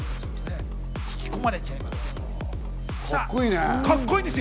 引き込まれちゃいます。